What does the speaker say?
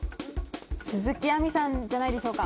鈴木亜美さんじゃないでしょうか